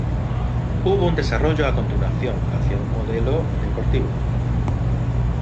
Hubo un desarrollo a continuación, hacia un modelo deportivo.